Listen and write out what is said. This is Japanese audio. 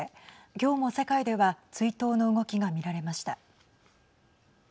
きょうも世界では追悼の動きが見られました。